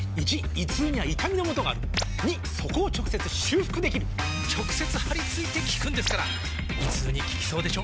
①胃痛には痛みのもとがある②そこを直接修復できる直接貼り付いて効くんですから胃痛に効きそうでしょ？